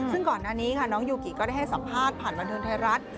ซึ่งก่อนหน้านี้ค่ะน้องยูกิก็ได้ให้สัมภาษณ์ผ่านบันเทิงไทยรัฐ